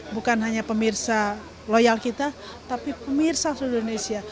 bukan hanya pemirsa loyal kita tapi pemirsa seluruh indonesia